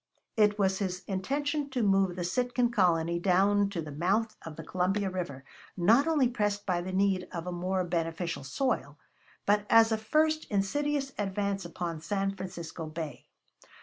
It was his intention to move the Sitkan colony down to the mouth of the Columbia River; not only pressed by the need of a more beneficent soil, but as a first insidious advance upon San Francisco Bay.